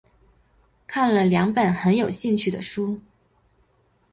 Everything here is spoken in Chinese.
看了两本很有兴趣的书